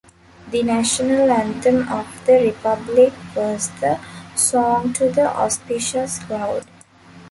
The national anthem of the republic was the "Song to the Auspicious Cloud".